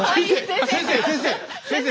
先生先生！